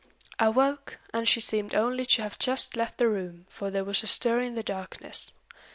I woke, and she seemed only to have just left the room, for there was a stir in the darkness.